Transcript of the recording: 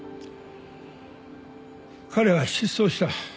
彼は失踪した。